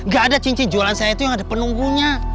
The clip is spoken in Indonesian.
gak ada cincin jualan saya itu yang ada penunggunya